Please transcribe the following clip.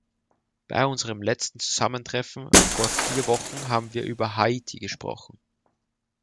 Bei unserem letzten Zusammentreffen vor vier Wochen haben wir über Haiti gesprochen.